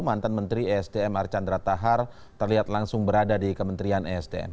mantan menteri esdm archandra tahar terlihat langsung berada di kementerian esdm